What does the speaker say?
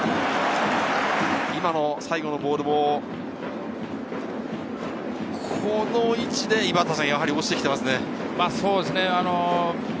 今の最後のボールもこの位置でやはり落ちてきていますね。